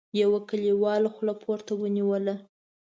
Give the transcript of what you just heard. يوه کليوال خوله پورته ونيوله: